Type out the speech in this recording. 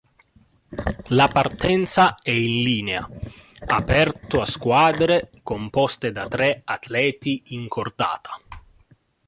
La partenza è in linea, aperto a squadre composte da tre atleti in cordata..